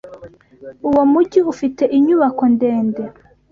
Uwo mujyi ufite inyubako ndende.